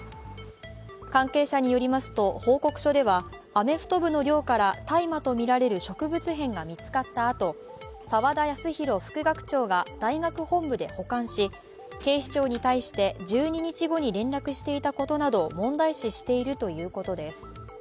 関係者によりますと、報告書ではアメフト部の寮から大麻とみられる植物片が見つかったあと澤田康広副学長が大学本部で保管し、警視庁に対して、１２日後に連絡していたことなどを問題視しているということです。